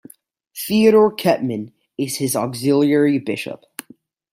Theodor Kettmann is his auxiliary bishop.